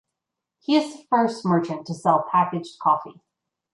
He is the first merchant to sell packaged coffee.